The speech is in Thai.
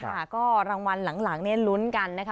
ค่ะก็รางวัลหลังรุ้นกันนะคะ